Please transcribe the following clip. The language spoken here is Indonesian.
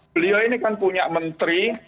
beliau ini kan punya menteri